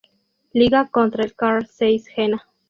Liga contra el Carl Zeiss Jena.